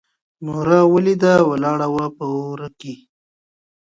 مورا ولیده ولاړه وه په وره کي